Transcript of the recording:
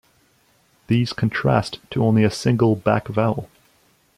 These contrast to only a single back vowel.